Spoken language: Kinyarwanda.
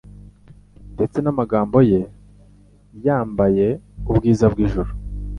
ndetse n'amagambo ye, yambaye ubwiza bw'ijuru